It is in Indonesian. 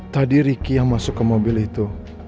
tadi riki yang masuk ke mobil itu